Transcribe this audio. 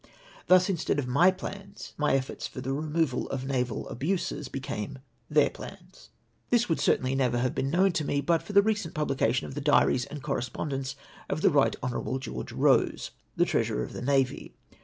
Thus instead of my plans^ my efforts for the removal of naval abuses became tlteir plans ! This would certainly never have been known to me, but for the recent publication of the " Diaries and Correspondence of the Eight Hon. George Rose," the Treasurer to the Navy.